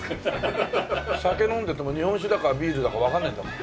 酒飲んでても日本酒だかビールだかわかんないんだもん。